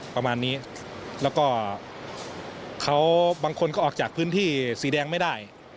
ประมาณนี้แล้วก็เขาบางคนก็ออกจากพื้นที่สีแดงไม่ได้